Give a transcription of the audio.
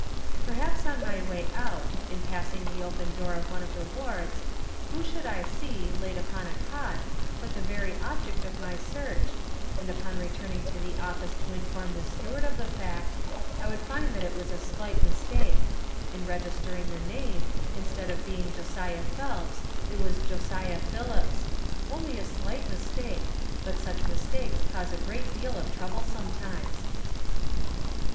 Perhaps on my way out, in passing the open door of one of the wards, who should I see, laid upon a cot, but the very object of my search, and upon returning to the office to inform the steward of the fact, I would find that it was a slight mistake; in registering the name; instead of being Josiah Phelps, it was Joseph Philips; only a slight mistake, but such mistakes cause a great deal of trouble sometimes.